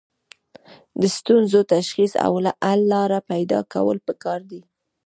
د ستونزو تشخیص او حل لاره پیدا کول پکار دي.